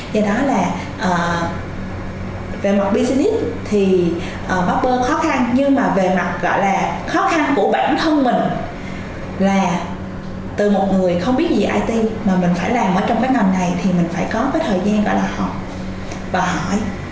do đó là về mặt busines thì bác bơ khó khăn nhưng mà về mặt gọi là khó khăn của bản thân mình là từ một người không biết gì it mà mình phải làm ở trong cái ngành này thì mình phải có cái thời gian gọi là học và hỏi